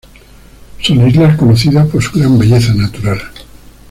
Son islas conocidas por su gran belleza natural.